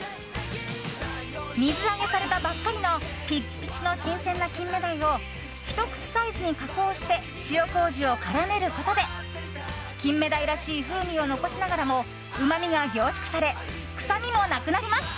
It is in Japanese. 水揚げされたばっかりのピチピチの新鮮なキンメダイをひと口サイズに加工して塩麹を絡めることでキンメダイらしい風味を残しながらもうまみが凝縮され臭みもなくなります。